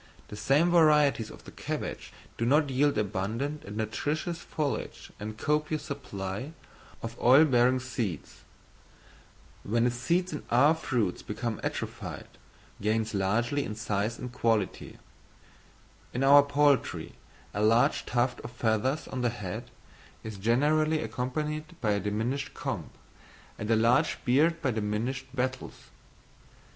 The same varieties of the cabbage do not yield abundant and nutritious foliage and a copious supply of oil bearing seeds. When the seeds in our fruits become atrophied, the fruit itself gains largely in size and quality. In our poultry, a large tuft of feathers on the head is generally accompanied by a diminished comb, and a large beard by diminished wattles.